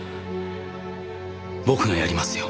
僕がやりますよ。